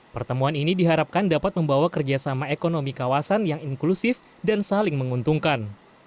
pertemuan ini diharapkan dapat membawa kerjasama ekonomi kawasan yang inklusif dan saling menguntungkan